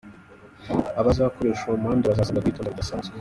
Abazakoresha uwo muhanda bazasabwa ubwitonzi budasanzwe.